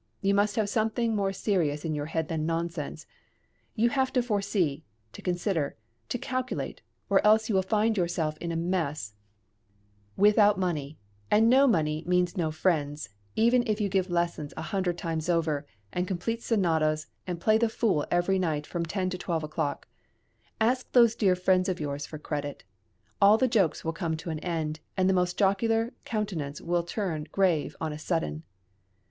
You must have something more serious in your head than nonsense: you have to foresee, to consider, to calculate, or else you will find yourself in a mess, without money and no money means no friends, even if you give lessons a hundred times over, and compose sonatas, and play the fool every night from ten to twelve o'clock. Ask these friends of yours for credit! All the jokes will come to an end, and the most jocular countenance will turn grave on a sudden.